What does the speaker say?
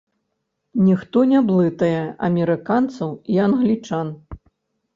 Ніхто не блытае амерыканцаў і англічан.